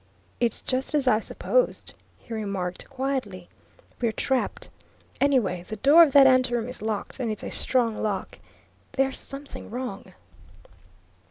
"It's just as I supposed," he remarked quietly. "We're trapped! Anyway, the door of that anteroom is locked and it's a strong lock. There's something wrong."